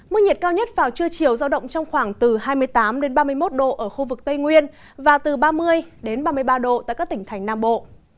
mức nhiệt cao nhất vào trưa chiều giao động trong khoảng từ hai mươi tám ba mươi một độ ở khu vực tây nguyên và từ ba mươi ba mươi ba độ tại các tỉnh thành nam bộ